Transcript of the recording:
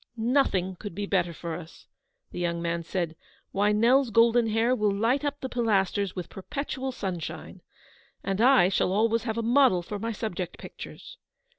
" Nothing could be better for us," the young man said. "Why, Nell's golden hair will light up the Pilasters with perpetual sunshine, and I shall always have a model for my subject pictures.